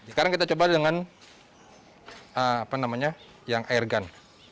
sekarang kita coba dengan apa namanya yang airgun